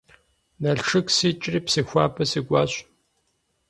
Налшык сикӀри Псыхуабэ сыкӀуащ.